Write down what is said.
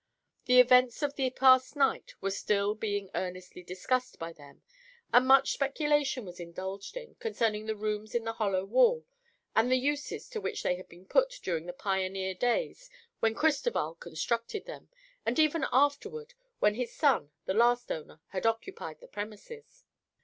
The events of the past night were still being earnestly discussed by them and much speculation was indulged in concerning the rooms in the hollow wall and the uses to which they had been put during the pioneer days when Cristoval constructed them, and even afterward when his son, the last owner, had occupied the premises.